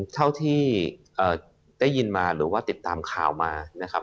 เท่าที่ได้ยินมาหรือว่าติดตามข่าวมานะครับ